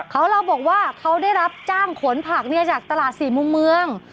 เขาเล่าบอกว่าเขาได้รับจ้างขนผักจากตลาดสี่มุมเมือง